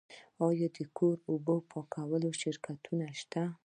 آیا د کور پاکولو شرکتونه شته؟